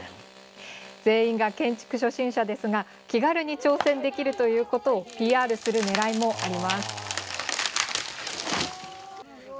全員が建築初心者ですが気軽に挑戦できるということをＰＲする狙いもあります。